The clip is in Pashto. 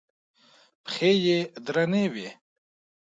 پښې یې درنې وې.